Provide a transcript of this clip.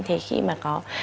thì khi mà có tư vấn